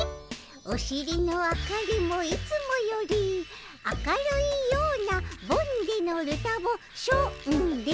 おしりの明かりもいつもより明るいようなボんでのルタボしょんで！